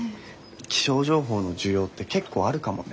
気象情報の需要って結構あるかもね。